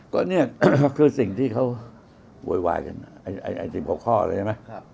ก็เนี่ยคือสิ่งที่เขาบวยวายกันไอ้สิบหกข้อเลยใช่ไหม